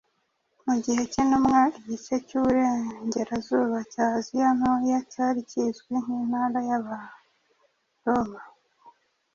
Mu gihe cy’intumwa igice cy’uburengerazuba cya Aziya Ntoya cyari kizwi nk’intara y’Abaroma